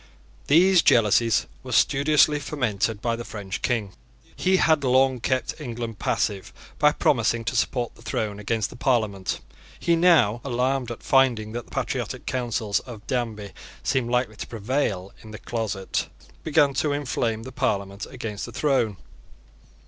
These jealousies were studiously fomented by the French King. He had long kept England passive by promising to support the throne against the Parliament. He now, alarmed at finding that the patriotic counsels of Danby seemed likely to prevail in the closet, began to inflame the Parliament against the throne.